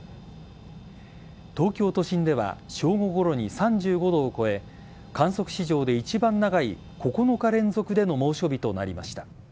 東京都心では正午ごろに３５度を超え観測史上で一番長い９日連続での猛暑日となりました。